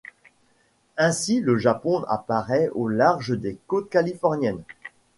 Ainsi le Japon apparaît au large des côtes californiennes.